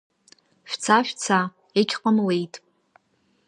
Шәца, шәца, егьҟамлеит!